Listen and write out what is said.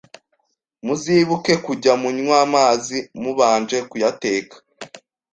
Muzibuke kujya munywamazi mubanje kuyateka.